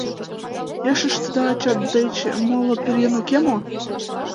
— Ешыштыда ачат деч моло пӧръеҥ уке мо?